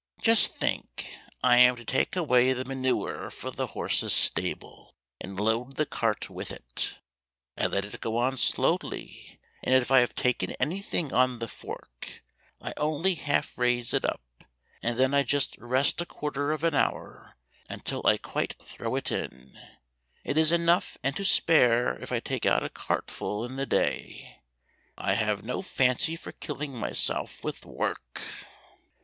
Just think, I am to take away the manure from the horse's stable, and load the cart with it. I let it go on slowly, and if I have taken anything on the fork, I only half raise it up, and then I rest just a quarter of an hour until I quite throw it in. It is enough and to spare if I take out a cartful in the day. I have no fancy for killing myself with work."